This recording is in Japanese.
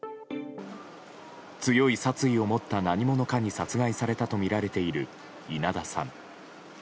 強い殺意を持った何者かに殺害されたとみられている稲田さん。